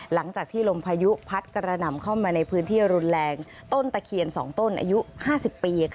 หลังจากที่ลมพายุพัดกระหน่ำเข้ามาในพื้นที่รุนแรงต้นตะเคียน๒ต้นอายุ๕๐ปี